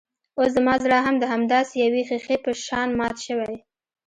اوس زما زړه هم د همداسې يوې ښيښې په شان مات شوی.